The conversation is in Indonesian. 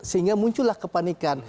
sehingga muncullah kepanikan